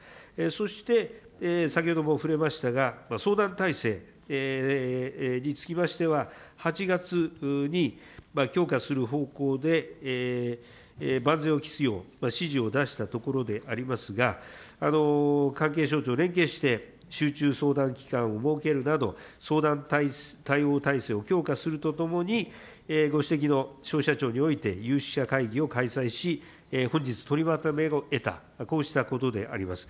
そして、先ほども触れましたが、相談体制につきましては、８月に強化する方向で万全を期すよう、指示を出したところでありますが、関係省庁連携して、集中相談きかんを設けるなど、相談対応体制を強化するとともに、ご指摘の消費者庁において有識者会議を開催し、本日取りまとめを得た、こうしたことであります。